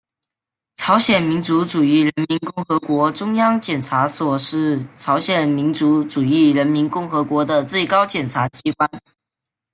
朝鲜民主主义人民共和国中央检察所是朝鲜民主主义人民共和国的最高检察机关。